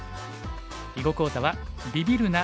囲碁講座は「ビビるな！